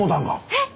えっ！